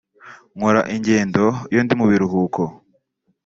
nkora ingendo iyo ndi mu biruhuko